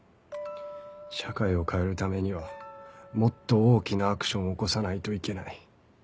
社会を変えるためにはもっと大きなアクションを起こさないといけない。